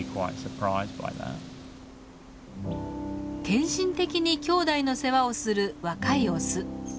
献身的にきょうだいの世話する若いオス。